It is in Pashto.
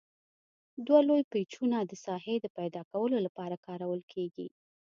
دوه لوی پیچونه د ساحې د پیداکولو لپاره کارول کیږي.